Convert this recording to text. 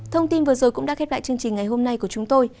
thông tin vừa rồi cũng đã khép lại chương trình ngày hôm nay của chúng tôi